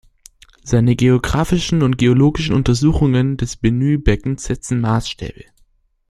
Seine geographischen und geologischen Untersuchungen des Benue-Beckens setzten Maßstäbe.